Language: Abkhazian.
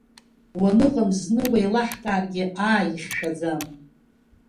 Уаныҟам зны уеилаҳкааргьы, ааи, ихьшәаӡам.